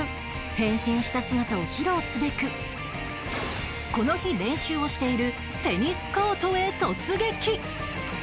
変身した姿を披露すべくこの日練習をしているテニスコートへ突撃！